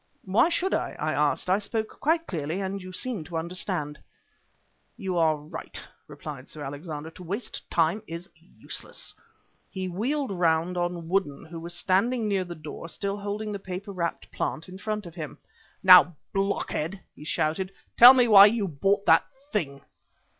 "Why should I?" I asked. "I spoke quite clearly and you seemed to understand." "You are right," replied Sir Alexander; "to waste time is useless." He wheeled round on Woodden, who was standing near the door still holding the paper wrapped plant in front of him. "Now, Blockhead," he shouted, "tell me why you brought that thing."